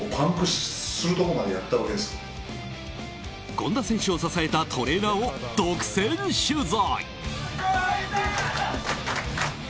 権田選手を支えたトレーナーを独占取材。